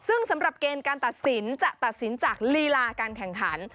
ซึ่งสำหรับเกณฑ์การตัดสินจะตัดสินจากลีลาการแข่งขัน